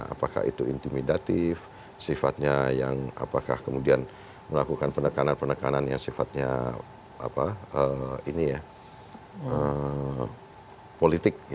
apakah itu intimidatif sifatnya yang apakah kemudian melakukan penekanan penekanan yang sifatnya politik